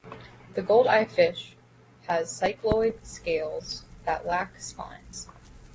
The Goldeye fish has cycloid scales that lack spines.